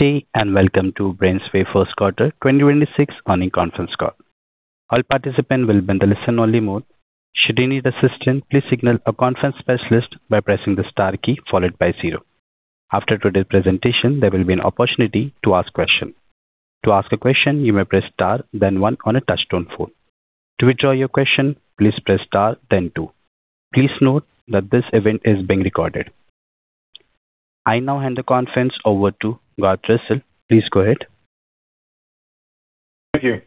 Good day, and welcome to BrainsWay's First Quarter 2026 earnings conference call. I now hand the conference over to Garth Russell. Please go ahead. Thank you,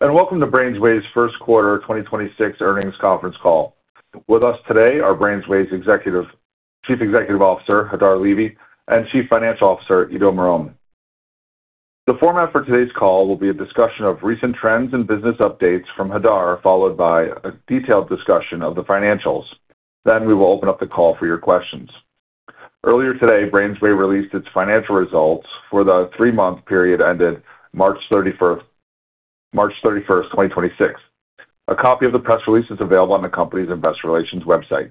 welcome to BrainsWay's first quarter 2026 earnings conference call. With us today are BrainsWay's Chief Executive Officer, Hadar Levy, and Chief Financial Officer, Ido Marom. The format for today's call will be a discussion of recent trends and business updates from Hadar, followed by a detailed discussion of the financials. We will open up the call for your questions. Earlier today, BrainsWay released its financial results for the three month period ended March 31, 2026. A copy of the press release is available on the company's investor relations website.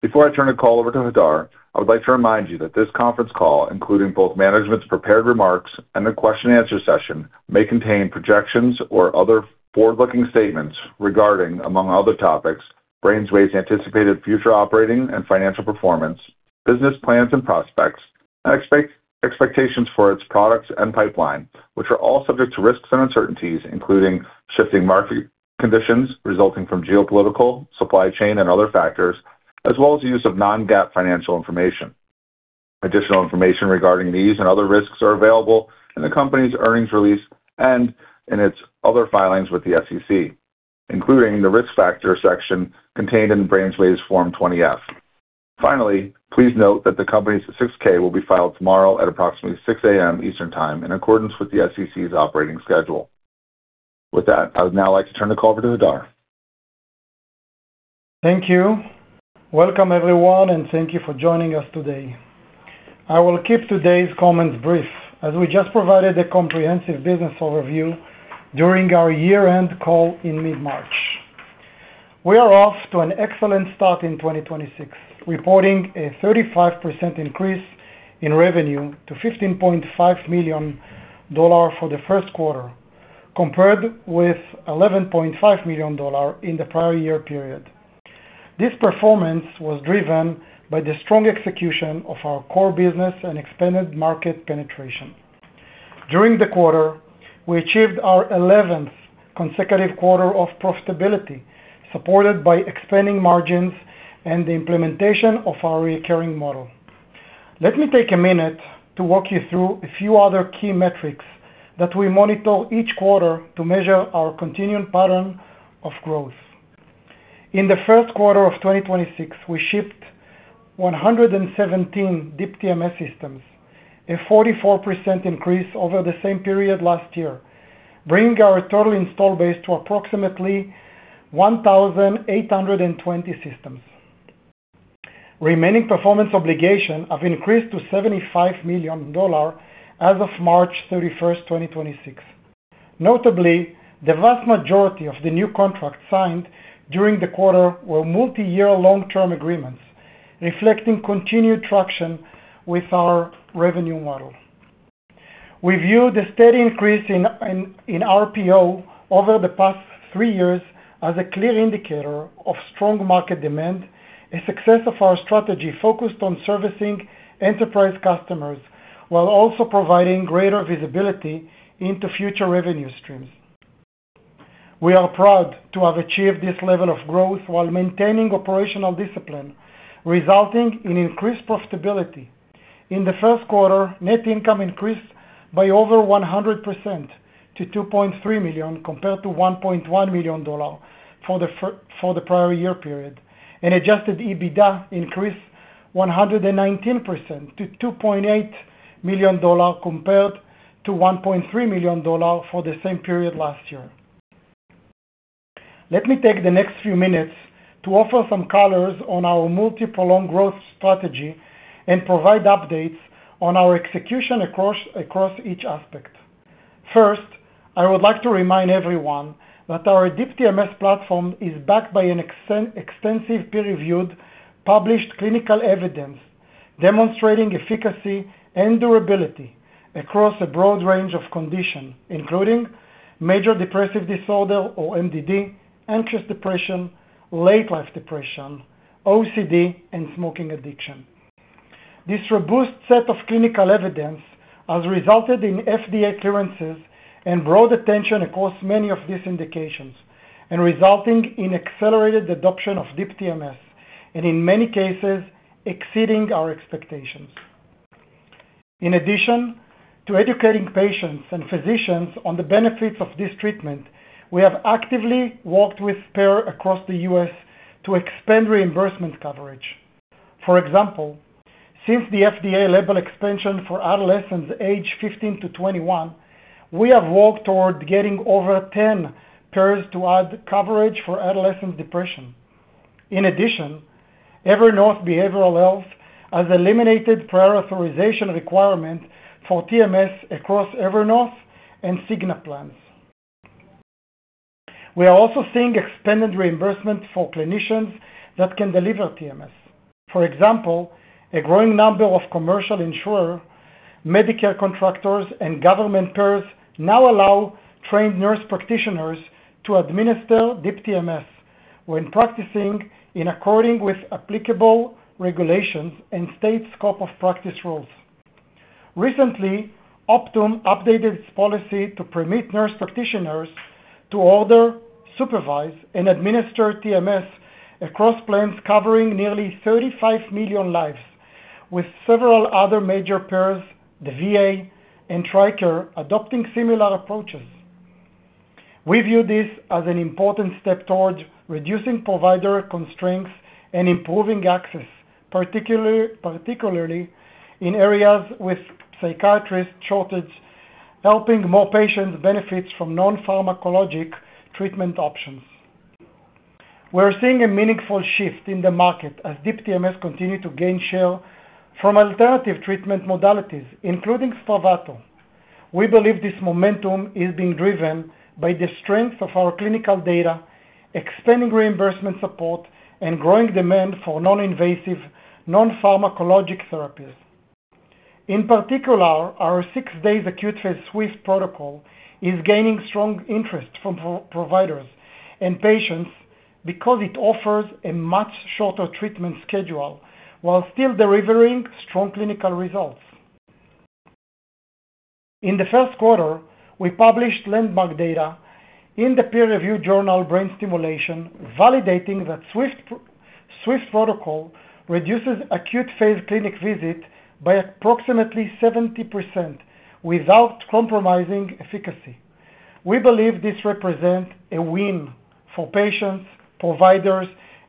Before I turn the call over to Hadar, I would like to remind you that this conference call, including both management's prepared remarks and the question and answer session, may contain projections or other forward-looking statements regarding, among other topics, BrainsWay's anticipated future operating and financial performance, business plans and prospects, and expectations for its products and pipeline, which are all subject to risks and uncertainties, including shifting market conditions resulting from geopolitical, supply chain and other factors, as well as the use of non-GAAP financial information. Additional information regarding these and other risks are available in the company's earnings release and in its other filings with the SEC, including the Risk Factors section contained in BrainsWay's Form 20-F. Finally, please note that the company's 6-K will be filed tomorrow at approximately 6:00 A.M. Eastern Time, in accordance with the SEC's operating schedule. With that, I would now like to turn the call over to Hadar. Thank you. Welcome, everyone, and thank you for joining us today. I will keep today's comments brief as we just provided a comprehensive business overview during our year-end call in mid-March. We are off to an excellent start in 2026, reporting a 35% increase in revenue to $15.5 million for the first quarter, compared with $11.5 million in the prior year period. This performance was driven by the strong execution of our core business and expanded market penetration. During the quarter, we achieved our 11th consecutive quarter of profitability, supported by expanding margins and the implementation of our recurring model. Let me take a minute to walk you through a few other key metrics that we monitor each quarter to measure our continued pattern of growth. In the first quarter of 2026, we shipped 117 Deep TMS systems, a 44% increase over the same period last year, bringing our total install base to approximately 1,820 systems. Remaining performance obligation have increased to $75 million as of March 31st, 2026. Notably, the vast majority of the new contracts signed during the quarter were multi-year long-term agreements, reflecting continued traction with our revenue model. We view the steady increase in RPO over the past three years as a clear indicator of strong market demand, a success of our strategy focused on servicing enterprise customers while also providing greater visibility into future revenue streams. We are proud to have achieved this level of growth while maintaining operational discipline, resulting in increased profitability. In the first quarter, net income increased by over 100% to $2.3 million, compared to $1.1 million for the prior year period. Adjusted EBITDA increased 119% to $2.8 million, compared to $1.3 million for the same period last year. Let me take the next few minutes to offer some colors on our multiple long growth strategy and provide updates on our execution across each aspect. First, I would like to remind everyone that our Deep TMS platform is backed by an extensive peer-reviewed, published clinical evidence demonstrating efficacy and durability across a broad range of conditions, including major depressive disorder, or MDD, anxious depression, late-life depression, OCD, and smoking addiction. This robust set of clinical evidence has resulted in FDA clearances and broad attention across many of these indications and resulting in accelerated adoption of Deep TMS and, in many cases, exceeding our expectations. In addition to educating patients and physicians on the benefits of this treatment, we have actively worked with payers across the U.S. to expand reimbursement coverage. For example, since the FDA label expansion for adolescents aged 15-21, we have worked toward getting over 10 payers to add coverage for adolescent depression. In addition, Evernorth Behavioral Health has eliminated prior authorization requirement for TMS across Evernorth and Cigna plans. We are also seeing expanded reimbursement for clinicians that can deliver TMS. For example, a growing number of commercial insurers, Medicare contractors, and government payers now allow trained nurse practitioners to administer Deep TMS when practicing in accordance with applicable regulations and state scope of practice rules. Recently, Optum updated its policy to permit nurse practitioners to order, supervise, and administer TMS across plans covering nearly 35 million lives, with several other major payers, the VA, and TRICARE adopting similar approaches. We view this as an important step towards reducing provider constraints and improving access, particularly in areas with psychiatrist shortage, helping more patients benefit from non-pharmacologic treatment options. We're seeing a meaningful shift in the market as Deep TMS continue to gain share from alternative treatment modalities, including SPRAVATO. We believe this momentum is being driven by the strength of our clinical data, expanding reimbursement support, and growing demand for non-invasive, non-pharmacologic therapies. In particular, our six days acute phase SWIFT protocol is gaining strong interest from providers and patients because it offers a much shorter treatment schedule while still delivering strong clinical results. In the first quarter, we published landmark data in the peer-review journal, Brain Stimulation, validating that SWIFT protocol reduces acute phase clinic visit by approximately 70% without compromising efficacy. We believe this represents a win for patients, providers,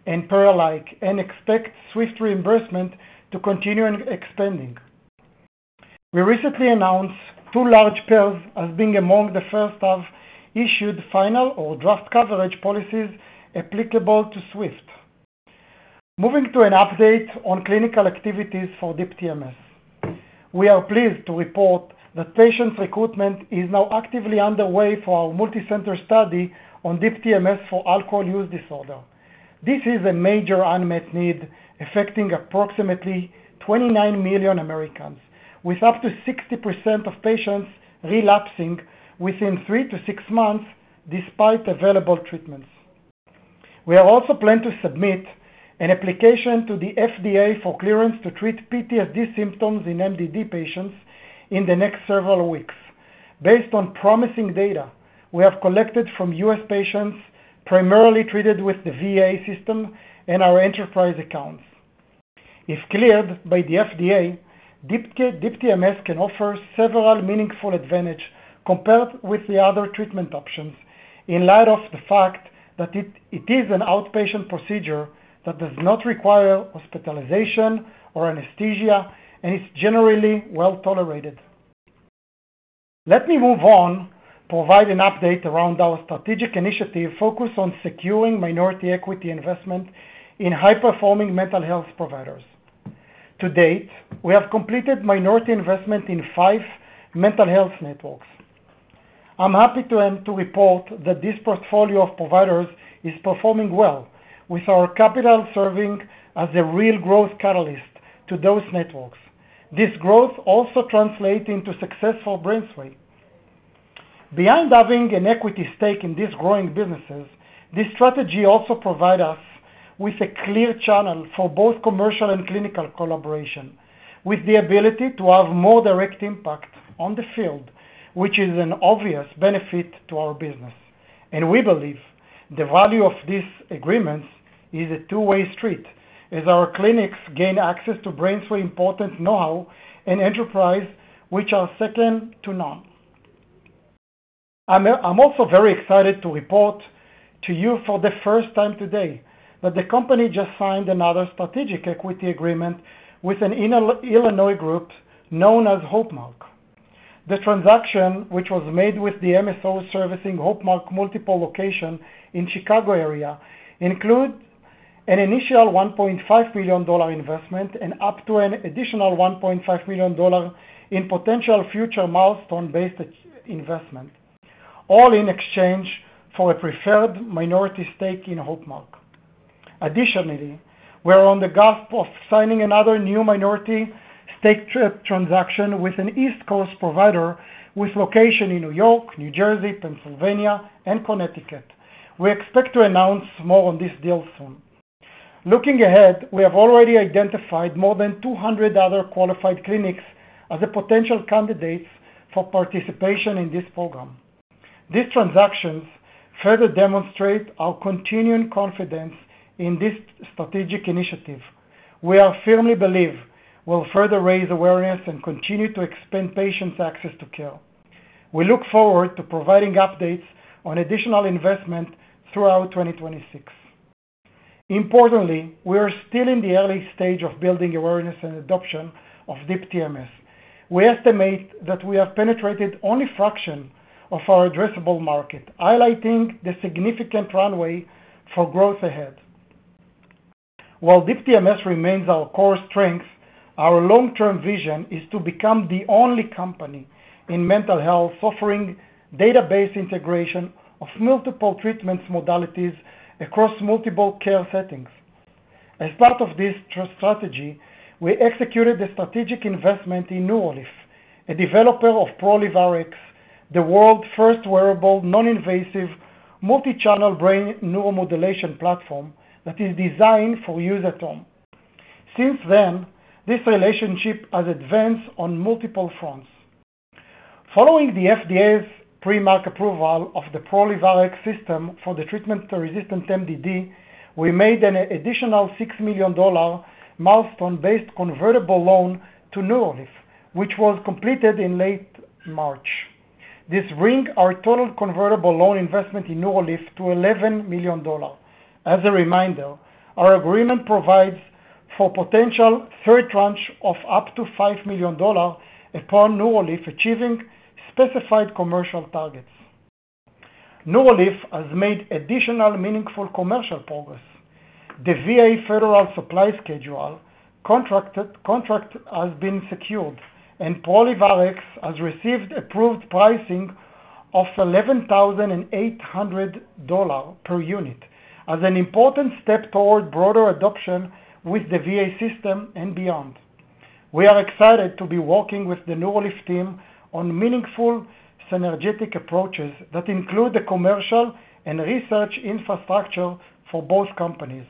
and payer alike, expect SWIFT reimbursement to continue expanding. We recently announced two large payers as being among the first have issued final or draft coverage policies applicable to SWIFT. Moving to an update on clinical activities for Deep TMS. We are pleased to report that patient recruitment is now actively underway for our multi-center study on Deep TMS for alcohol use disorder. This is a major unmet need, affecting approximately 29 million Americans, with up to 60% of patients relapsing within three to six months despite available treatments. We have also planned to submit an application to the FDA for clearance to treat PTSD symptoms in MDD patients in the next several weeks. Based on promising data we have collected from U.S. patients primarily treated with the VA system and our enterprise accounts. If cleared by the FDA, Deep TMS can offer several meaningful advantage compared with the other treatment options in light of the fact that it is an outpatient procedure that does not require hospitalization or anesthesia and is generally well-tolerated. Let me move on, provide an update around our strategic initiative focused on securing minority equity investment in high-performing mental health providers. To date, we have completed minority investment in five mental health networks. I'm happy to report that this portfolio of providers is performing well, with our capital serving as a real growth catalyst to those networks. This growth also translates into successful BrainsWay. Beyond having an equity stake in these growing businesses, this strategy also provide us with a clear channel for both commercial and clinical collaboration, with the ability to have more direct impact on the field, which is an obvious benefit to our business. We believe the value of these agreements is a two-way street as our clinics gain access to BrainsWay important know-how and enterprise, which are second to none. I'm also very excited to report to you for the first time today that the company just signed another strategic equity agreement with an Illinois group known as HopeMark. The transaction, which was made with the MSO servicing HopeMark multiple location in Chicago area, include an initial $1.5 million investment and up to an additional $1.5 million in potential future milestone-based investment, all in exchange for a preferred minority stake in HopeMark. Additionally, we're on the cusp of signing another new minority stake transaction with an East Coast provider with location in New York, New Jersey, Pennsylvania, and Connecticut. We expect to announce more on this deal soon. Looking ahead, we have already identified more than 200 other qualified clinics as a potential candidates for participation in this program. These transactions further demonstrate our continuing confidence in this strategic initiative. We are firmly believe will further raise awareness and continue to expand patients' access to care. We look forward to providing updates on additional investment throughout 2026. Importantly, we are still in the early stage of building awareness and adoption of Deep TMS. We estimate that we have penetrated only fraction of our addressable market, highlighting the significant runway for growth ahead. Deep TMS remains our core strength, our long-term vision is to become the only company in mental health offering database integration of multiple treatments modalities across multiple care settings. As part of this strategy, we executed a strategic investment in Neurolief, a developer of ProlivRx, the world's first wearable, non-invasive, multi-channel brain neuromodulation platform that is designed for use at home. This relationship has advanced on multiple fronts. Following the FDA's pre-market approval of the ProlivRx system for the treatment of resistant MDD, we made an additional $6 million milestone-based convertible loan to Neurolief, which was completed in late March. This brings our total convertible loan investment in Neurolief to $11 million. As a reminder, our agreement provides for potential third tranche of up to $5 million upon Neurolief achieving specified commercial targets. Neurolief has made additional meaningful commercial progress. The VA Federal Supply Schedule contract has been secured, and ProlivRx has received approved pricing of $11,800 per unit as an important step toward broader adoption with the VA system and beyond. We are excited to be working with the Neurolief team on meaningful synergetic approaches that include the commercial and research infrastructure for both companies.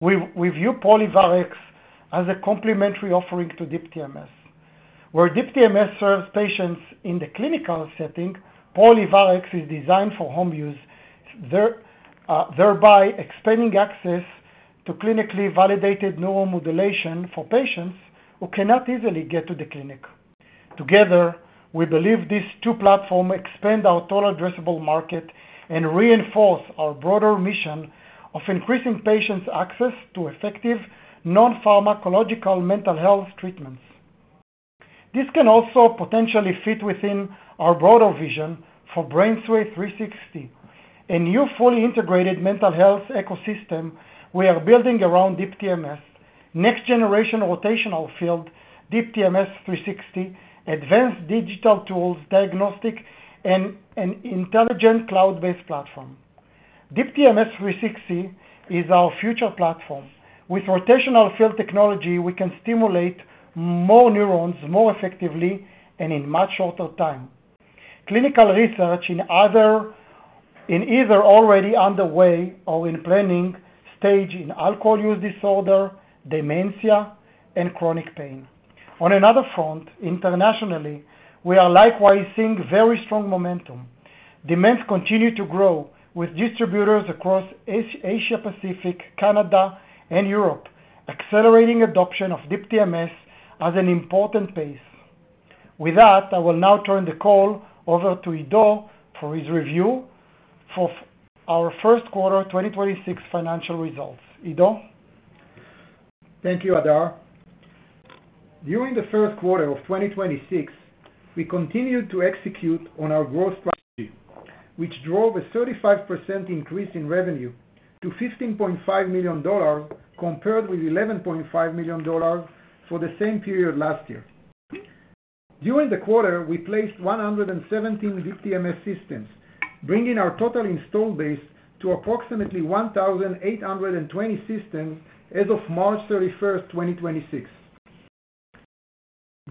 We view ProlivRx as a complimentary offering to Deep TMS. Where Deep TMS serves patients in the clinical setting, ProlivRx is designed for home use, thereby expanding access to clinically validated neuromodulation for patients who cannot easily get to the clinic. Together, we believe these two platforms expand our total addressable market and reinforce our broader mission of increasing patients' access to effective non-pharmacological mental health treatments. This can also potentially fit within our broader vision for BrainsWay 360, a new fully integrated mental health ecosystem we are building around Deep TMS, next generation rotational field, Deep TMS 360, advanced digital tools, diagnostic, and an intelligent cloud-based platform. Deep TMS 360 is our future platform. With rotational field technology, we can stimulate more neurons more effectively and in much shorter time. Clinical research in either already underway or in planning stage in alcohol use disorder, dementia, and chronic pain. On another front, internationally, we are likewise seeing very strong momentum. Demands continue to grow with distributors across Asia Pacific, Canada, and Europe, accelerating adoption of Deep TMS at an important pace. With that, I will now turn the call over to Ido for his review for our first quarter 2026 financial results. Ido? Thank you, Hadar. During the first quarter of 2026, we continued to execute on our growth strategy, which drove a 35% increase in revenue to $15.5 million, compared with $11.5 million for the same period last year. During the quarter, we placed 117 Deep TMS systems, bringing our total install base to approximately 1,820 systems as of March 31st, 2026.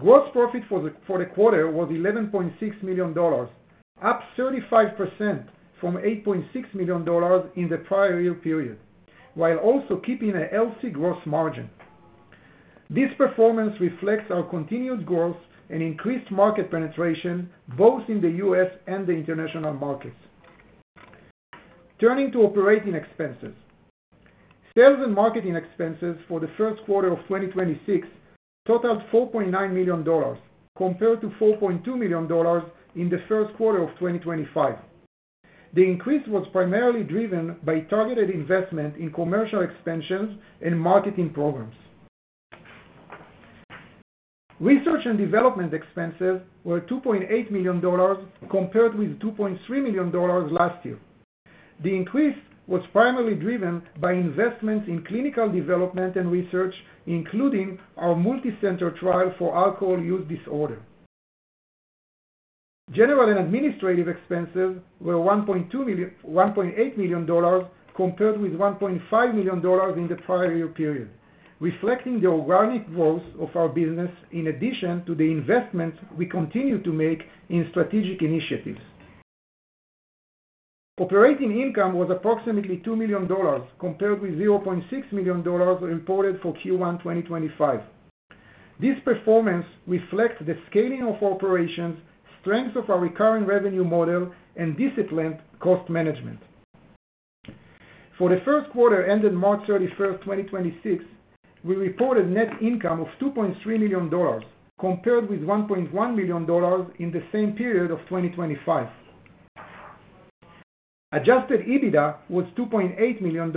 Gross profit for the quarter was $11.6 million, up 35% from $8.6 million in the prior year period, while also keeping a healthy gross margin. This performance reflects our continued growth and increased market penetration, both in the U.S. and the international markets. Turning to operating expenses. Sales and marketing expenses for the first quarter of 2026 totaled $4.9 million compared to $4.2 million in the first quarter of 2025. The increase was primarily driven by targeted investment in commercial expansions and marketing programs. Research and development expenses were $2.8 million, compared with $2.3 million last year. The increase was primarily driven by investments in clinical development and research, including our multi-center trial for alcohol use disorder. General and administrative expenses were $1.8 million, compared with $1.5 million in the prior year period, reflecting the organic growth of our business in addition to the investments we continue to make in strategic initiatives. Operating income was approximately $2 million, compared with $0.6 million reported for Q1 2025. This performance reflects the scaling of operations, strength of our recurring revenue model, and disciplined cost management. For the first quarter ended March 31, 2026, we reported net income of $2.3 million, compared with $1.1 million in the same period of 2025. Adjusted EBITDA was $2.8 million,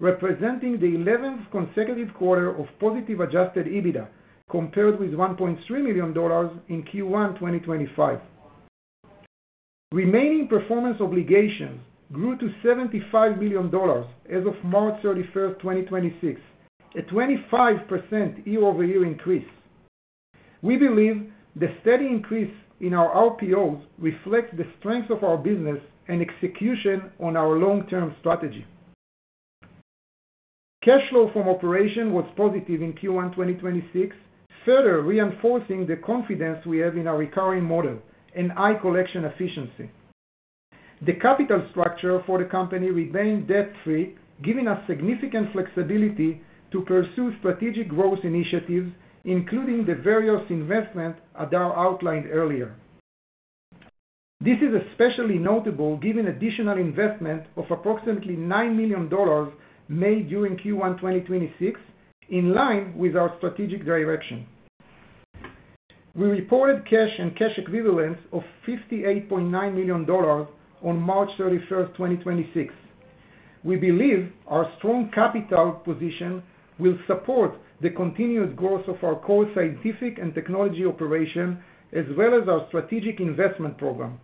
representing the 11th consecutive quarter of positive adjusted EBITDA, compared with $1.3 million in Q1 2025. Remaining performance obligations grew to $75 million as of March 31, 2026, a 25% year-over-year increase. We believe the steady increase in our RPOs reflects the strength of our business and execution on our long-term strategy. Cash flow from operation was positive in Q1 2026, further reinforcing the confidence we have in our recurring model and high collection efficiency. The capital structure for the company remained debt-free, giving us significant flexibility to pursue strategic growth initiatives, including the various investment that are outlined earlier. This is especially notable given additional investment of approximately $9 million made during Q1, 2026 in line with our strategic direction. We reported cash and cash equivalents of $58.9 million on March 31st, 2026. We believe our strong capital position will support the continuous growth of our core scientific and technology operation, as well as our strategic investment program,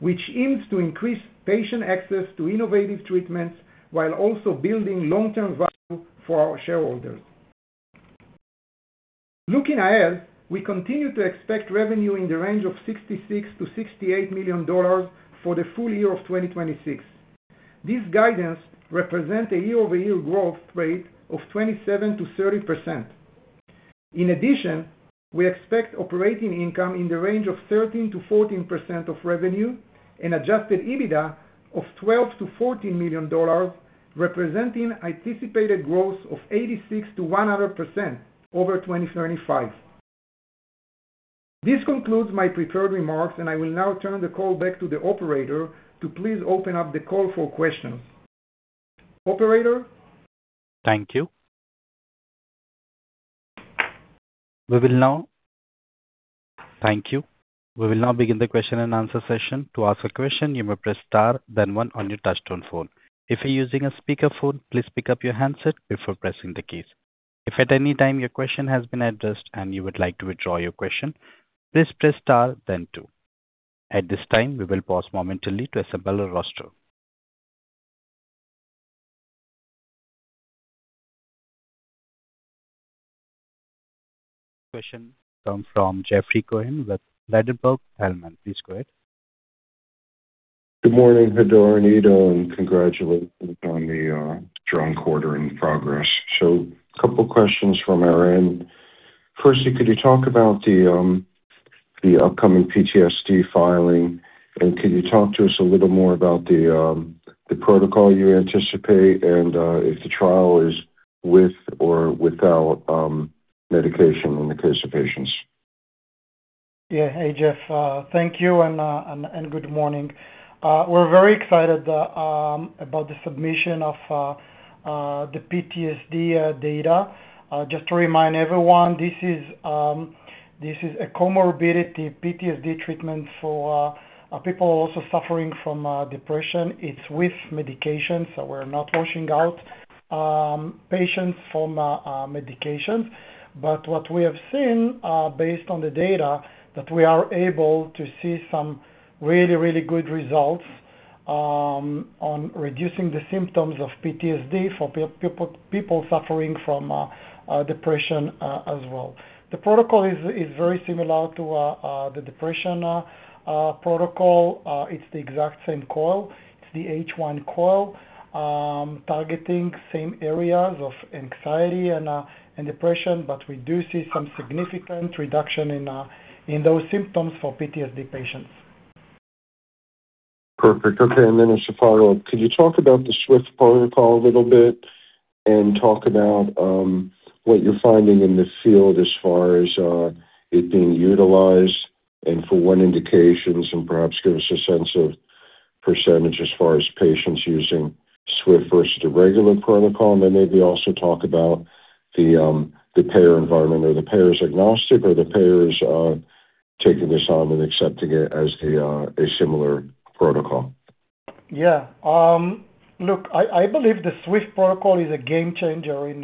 which aims to increase patient access to innovative treatments while also building long-term value for our shareholders. Looking ahead, we continue to expect revenue in the range of $66 million-$68 million for the full year of 2026. This guidance represent a year-over-year growth rate of 27%-30%. In addition, we expect operating income in the range of 13% to 14% of revenue and adjusted EBITDA of $12 million-$14 million, representing anticipated growth of 86% to 100% over 2025. This concludes my prepared remarks, and I will now turn the call back to the operator to please open up the call for questions. Operator? Thank you. We will now begin the question and answer session. Question comes from Jeffrey Cohen with Ladenburg Thalmann. Please go ahead. Good morning, Hadar and Ido, and congratulations on the strong quarter in progress. Couple of questions from our end. Firstly, could you talk about the upcoming PTSD filing, and can you talk to us a little more about the protocol you anticipate and if the trial is with or without medication in the case of patients? Yeah. Hey, Jeff. Thank you and good morning. We're very excited about the submission of the PTSD data. Just to remind everyone, this is a comorbidity PTSD treatment for people also suffering from depression. It's with medication, we're not washing out patients from medications. What we have seen, based on the data, that we are able to see some really, really good results on reducing the symptoms of PTSD for people suffering from depression as well. The protocol is very similar to the depression protocol. It's the exact same coil. It's the H1 Coil, targeting same areas of anxiety and depression, but we do see some significant reduction in those symptoms for PTSD patients. Perfect. As a follow-up, could you talk about the SWIFT protocol a little bit and talk about what you're finding in the field as far as it being utilized and for what indications, and perhaps give us a sense of % as far as patients using SWIFT versus the regular protocol? Maybe also talk about the payer environment. Are the payers agnostic, are the payers taking this on and accepting it as a similar protocol? Yeah. Look, I believe the SWIFT protocol is a game changer in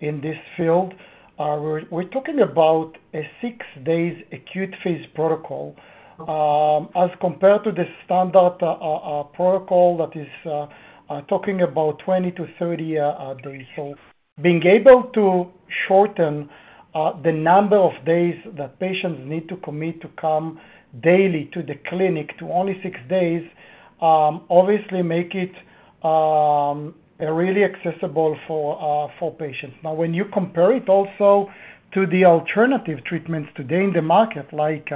this field. We're talking about a six days acute phase protocol as compared to the standard protocol that is talking about 20-30 days. Being able to shorten the number of days that patients need to commit to come daily to the clinic to only six days obviously make it really accessible for patients. When you compare it also to the alternative treatments today in the market, like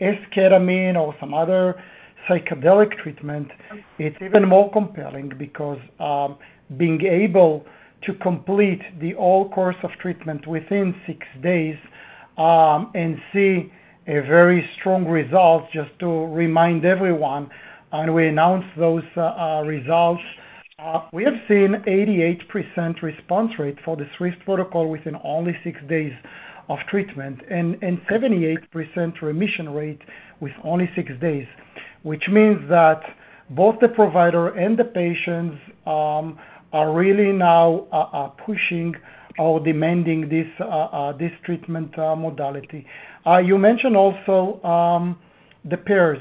esketamine or some other psychedelic treatment, it's even more compelling because being able to complete the whole course of treatment within six days and see a very strong result. Just to remind everyone, we announced those results, we have seen 88% response rate for the SWIFT protocol within only six days of treatment and 78% remission rate with only six days. Both the provider and the patients are really now pushing or demanding this treatment modality. You mentioned also the payers.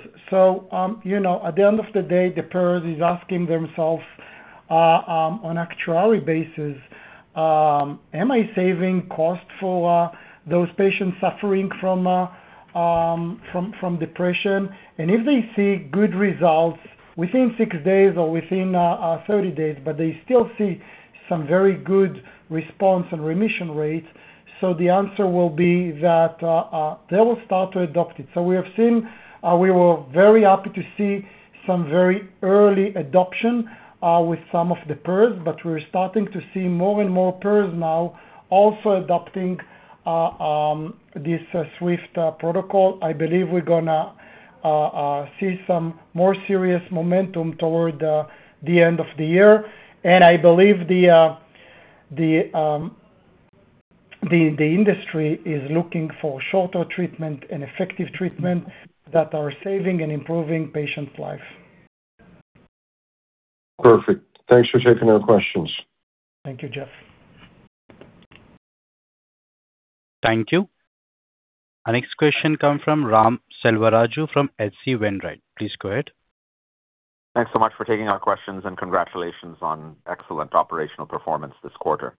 You know, at the end of the day, the payers is asking themselves on actuality basis, "Am I saving cost for those patients suffering from depression?" If they see good results within six days or within 30 days, but they still see some very good response and remission rates, the answer will be that they will start to adopt it. We have seen, we were very happy to see some very early adoption with some of the payers, but we're starting to see more and more payers now also adopting this SWIFT protocol. I believe we're gonna see some more serious momentum toward the end of the year. I believe the industry is looking for shorter treatment and effective treatment that are saving and improving patients' life. Perfect. Thanks for taking our questions. Thank you, Jeff. Thank you. Our next question come from Ram Selvaraju from H.C. Wainwright. Please go ahead. Thanks so much for taking our questions. Congratulations on excellent operational performance this quarter.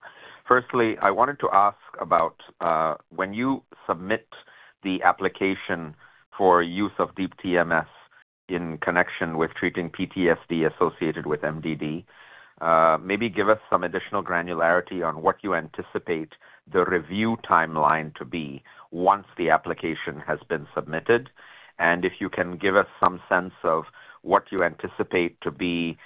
Firstly, I wanted to ask about when you submit the application for use of Deep TMS in connection with treating PTSD associated with MDD, maybe give us some additional granularity on what you anticipate the review timeline to be once the application has been submitted. If you can give us some sense of what you anticipate to be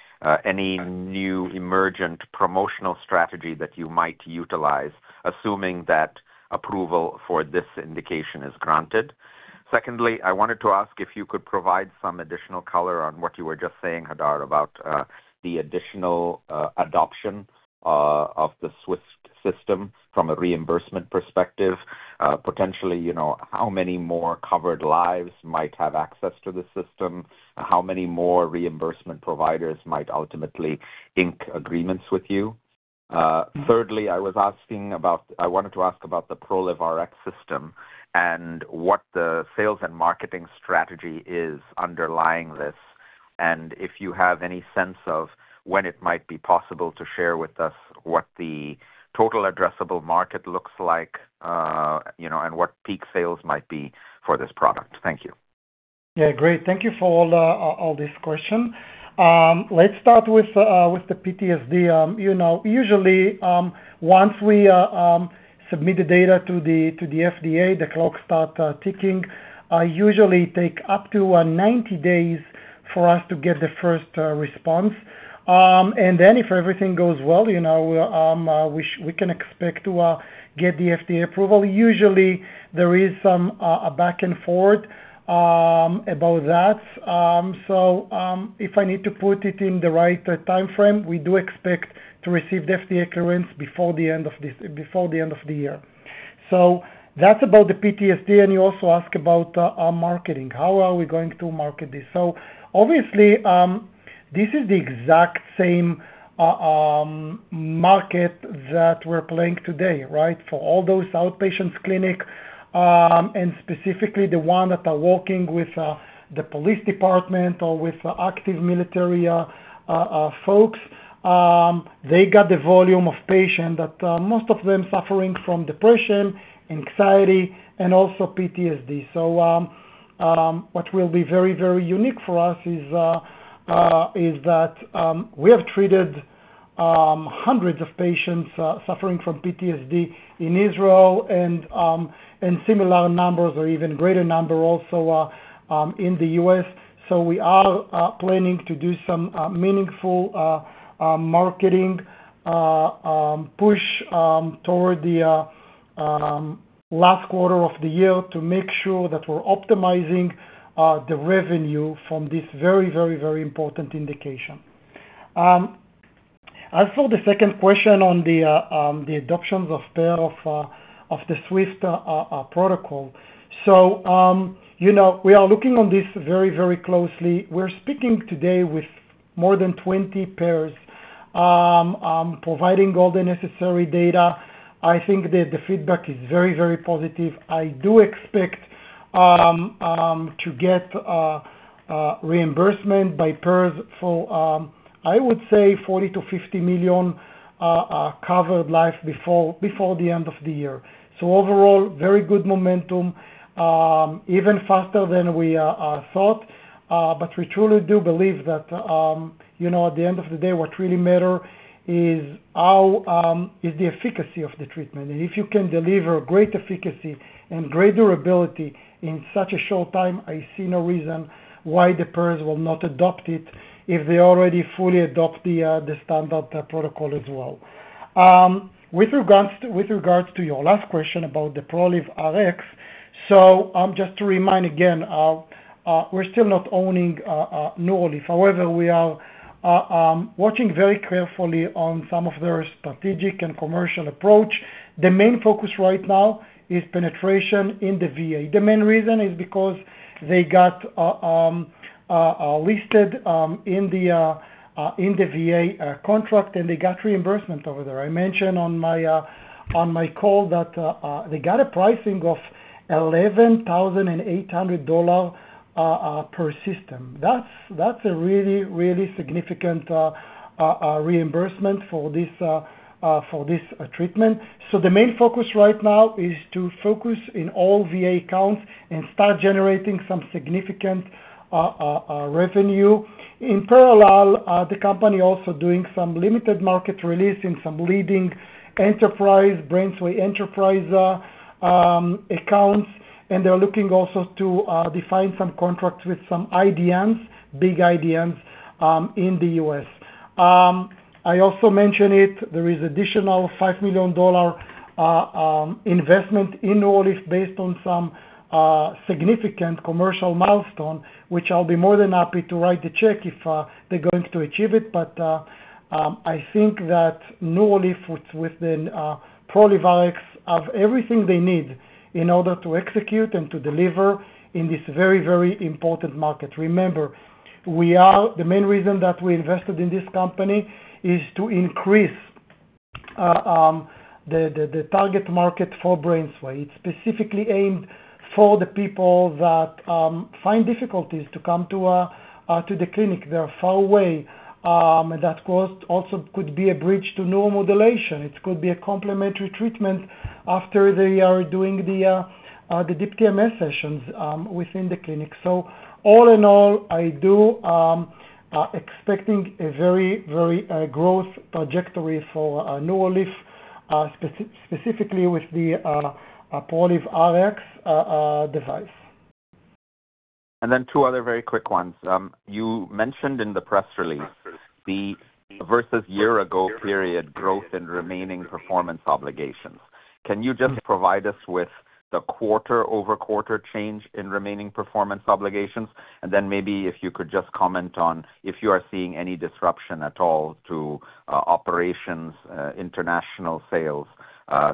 any new emergent promotional strategy that you might utilize, assuming that approval for this indication is granted. Secondly, I wanted to ask if you could provide some additional color on what you were just saying, Hadar, about the additional adoption of the SWIFT system from a reimbursement perspective. Potentially how many more covered lives might have access to the system? How many more reimbursement providers might ultimately ink agreements with you? Thirdly, I wanted to ask about the ProlivRx system and what the sales and marketing strategy is underlying this. If you have any sense of when it might be possible to share with us what the total addressable market looks like and what peak sales might be for this product. Thank you. Yeah, great. Thank you for all these question. Let's start with with the PTSD. You know, usually, once we submit the data to the FDA, the clock start ticking. Usually take up to 90 days for us to get the first response. If everything goes well we can expect to get the FDA approval. Usually, there is some a back and forth about that. If I need to put it in the right timeframe, we do expect to receive the FDA clearance before the end of the year. That's about the PTSD. You also ask about our marketing. How are we going to market this? Obviously, this is the exact same market that we're playing today, right? For all those outpatients clinic, and specifically the one that are working with the police department or with active military folks, they got the volume of patient that most of them suffering from depression, anxiety, and also PTSD. What will be very, very unique for us is that we have treated hundreds of patients suffering from PTSD in Israel and similar numbers or even greater number also in the U.S. We are planning to do some meaningful marketing push toward the last quarter of the year to make sure that we're optimizing the revenue from this very, very, very important indication. As for the second question on the adoptions of payer of SWIFT protocol. You know, we are looking on this very closely. We're speaking today with more than 20 payers, providing all the necessary data. I think the feedback is very positive. I do expect to get reimbursement by payers for, I would say, $40 million-$50 million covered life before the end of the year. Overall, very good momentum, even faster than we thought. We truly do believe that at the end of the day, what really matter is how is the efficacy of the treatment. If you can deliver great efficacy and great durability in such a short time, I see no reason why the payers will not adopt it if they already fully adopt the standard protocol as well. With regards to your last question about the ProlivRx. Just to remind again, we're still not owning Neurolief. However, we are watching very carefully on some of their strategic and commercial approach. The main focus right now is penetration in the VA. The main reason is because they got listed in the VA contract, and they got reimbursement over there. I mentioned on my call that they got a pricing of $11,800 per system. That's a really, really significant reimbursement for this treatment. The main focus right now is to focus in all VA accounts and start generating some significant revenue. In parallel, the company also doing some limited market release in some leading enterprise, BrainsWay enterprise accounts, and they're looking also to define some contracts with some IDNs, big IDNs, in the U.S. I also mentioned it, there is additional $5 million investment in Neurolief based on some significant commercial milestone, which I'll be more than happy to write the check if they're going to achieve it. I think that Neurolief within ProlivRx have everything they need in order to execute and to deliver in this very, very important market. Remember, The main reason that we invested in this company is to increase the target market for BrainsWay. It's specifically aimed for the people that find difficulties to come to the clinic. They are far away. That cost also could be a bridge to neuromodulation. It could be a complementary treatment after they are doing the Deep TMS sessions within the clinic. All in all, I do expecting a very, very growth trajectory for Neurolief specifically with the ProlivRx device. Two other very quick ones. You mentioned in the press release the versus year-ago period growth and remaining performance obligations. Can you just provide us with the quarter-over-quarter change in remaining performance obligations? Maybe if you could just comment on if you are seeing any disruption at all to operations, international sales,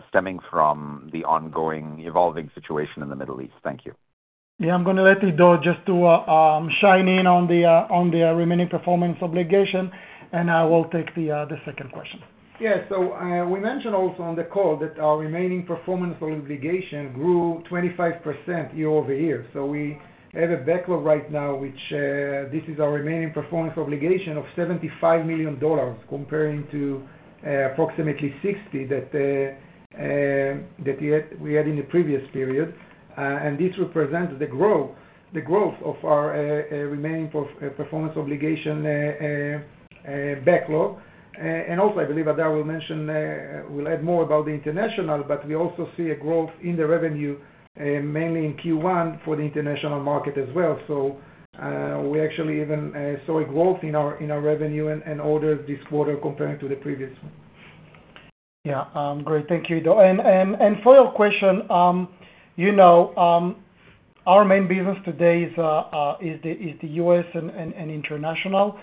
stemming from the ongoing evolving situation in the Middle East. Thank you. Yeah, I'm gonna let Ido just to chime in on the remaining performance obligation. I will take the second question. We mentioned also on the call that our remaining performance obligation grew 25% year-over-year. We have a backlog right now, which, this is our remaining performance obligation of $75 million comparing to approximately $60 that we had in the previous period. This represents the growth of our remaining performance obligation backlog. Also, I believe Hadar will mention, will add more about the international, we also see a growth in the revenue, mainly in Q1 for the international market as well. We actually even saw a growth in our revenue and orders this quarter comparing to the previous one. Great. Thank you, Ido. For your question our main business today is the U.S. and international.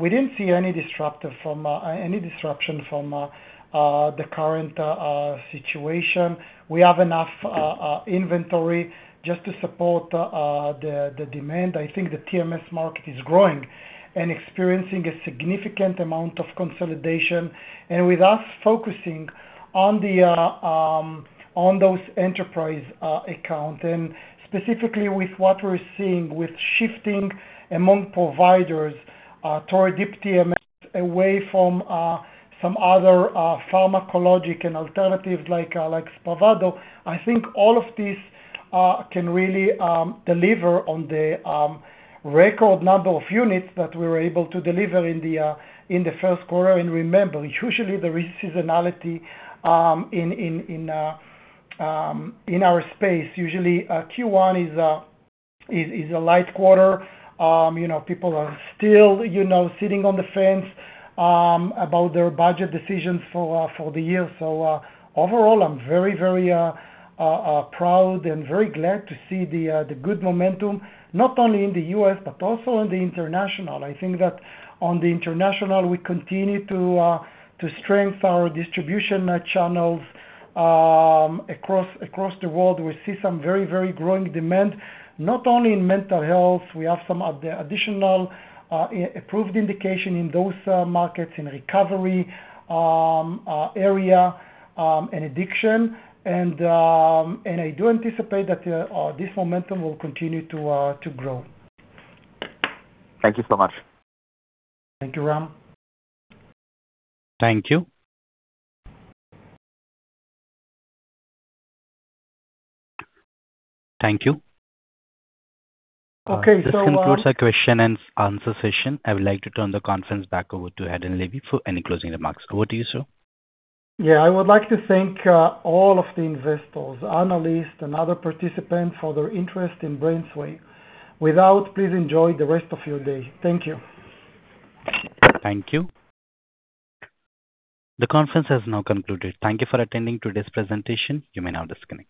We didn't see any disruption from the current situation. We have enough inventory just to support the demand. I think the TMS market is growing and experiencing a significant amount of consolidation. With us focusing on those enterprise accounts, and specifically with what we're seeing with shifting among providers toward Deep TMS away from some other pharmacologic and alternative like SPRAVATO, I think all of these can really deliver on the record number of units that we were able to deliver in the first quarter. Remember, usually there is seasonality in our space. Usually, Q1 is a light quarter. You know, people are still sitting on the fence about their budget decisions for the year. Overall, I'm very proud and very glad to see the good momentum, not only in the U.S., but also in the international. I think that on the international, we continue to strengthen our distribution channels across the world. We see some very growing demand, not only in mental health. We have some additional approved indication in those markets in recovery area and addiction. I do anticipate that this momentum will continue to grow. Thank you so much. Thank you, Ram. Thank you. Thank you. Okay. This concludes our question and answer session. I would like to turn the conference back over to Hadar Levy for any closing remarks. Over to you, sir. Yeah. I would like to thank all of the investors, analysts, and other participants for their interest in BrainsWay. With that, please enjoy the rest of your day. Thank you. Thank you. The conference has now concluded. Thank you for attending today's presentation. You may now disconnect.